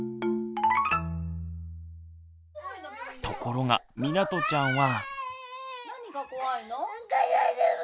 ところがみなとちゃんは。